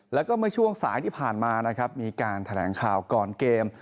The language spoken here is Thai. แล้วก็เมื่อช่วงสายที่ผ่านมานะครับมีการแถลงข่าวก่อนเกม